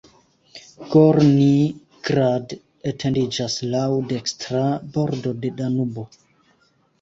Gornji Grad etendiĝas laŭ dekstra bordo de Danubo.